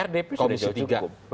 rdp sudah cukup